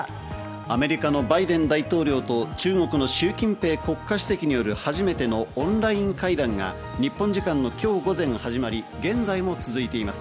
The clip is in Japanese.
アメリカのバイデン大統領とシュウ・キンペイ国家主席による初めてのオンライン会談が日本時間の今日午前、始まり、現在も続いています。